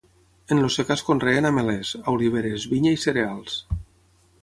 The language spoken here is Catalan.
En el secà es conreen ametllers, oliveres, vinya i cereals.